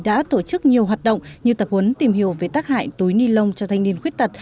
đã tổ chức nhiều hoạt động như tập huấn tìm hiểu về tác hại túi ni lông cho thanh niên khuyết tật